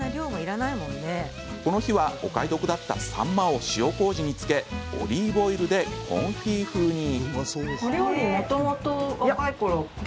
この日はお買い得だったさんまを塩こうじに漬けオリーブオイルでコンフィ風に。